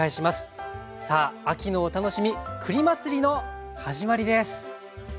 さあ秋のお楽しみ栗祭りの始まりです！